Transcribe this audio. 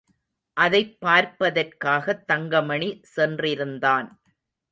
அதைப் பார்ப்பதற்காகத் தங்கமணி சென்றிருந்தான்.